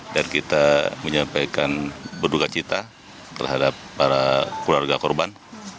dan kita menyampaikan berduka cita terhadap para keluarga korban